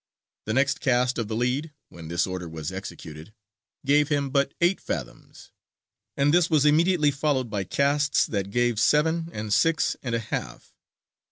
The next cast of the lead, when this order was executed, gave but eight fathoms, and this was immediately followed by casts that gave seven and six and a half.